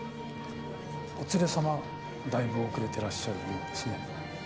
お連れさまだいぶ遅れてらっしゃるようですね。